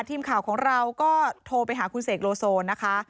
ทีมข่าวของเราก็โทรไปหาคุณเสกโลโซนะคะ